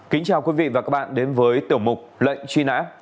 kính chào quý vị và các bạn đến với tiểu mục lệnh truy nã